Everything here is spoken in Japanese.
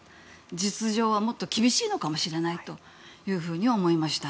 実情はもっと厳しいのかもしれないとは思いました。